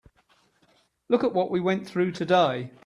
Look at what we went through today.